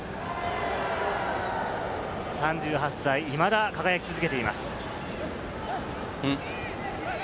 ３８歳、いまだ輝き続けています。